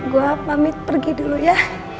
gue pamit pergi dulu ya